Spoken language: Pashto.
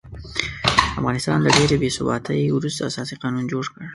افغانستان د ډېرې بې ثباتۍ وروسته اساسي قانون جوړ کړ.